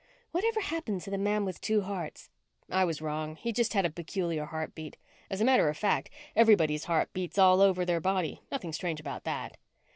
"What ever happened to the man with two hearts?" "I was wrong. He just had a peculiar heartbeat. As a matter of fact, everybody's heart beats all over their body. Nothing strange about that."